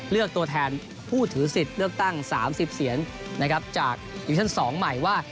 ตัวแทนผู้ถือสิทธิ์เลือกตั้ง๓๐เสียงนะครับจากดิวิชั่น๒ใหม่ว่า